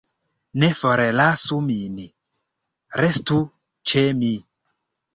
Ne forlasu min, restu ĉe mi!